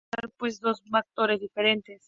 Debemos usar, pues, dos vectores diferentes.